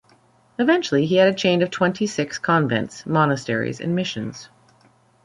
Eventually he had a chain of twenty-six convents, monasteries and missions.